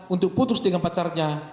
untuk putus dengan pacarnya